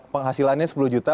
penghasilannya sepuluh juta